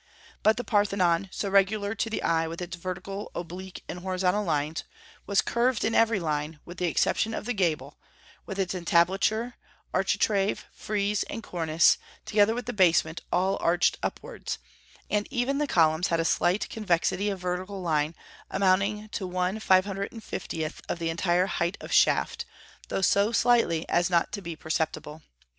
But the Parthenon, so regular to the eye with its vertical, oblique, and horizontal lines, was curved in every line, with the exception of the gable, with its entablature, architrave, frieze, and cornice, together with the basement, all arched upwards; and even the columns had a slight convexity of vertical line, amounting to 1/550 of the entire height of shaft, though so slightly as not to be perceptible.